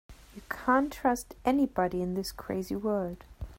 You can't trust anybody in this crazy world.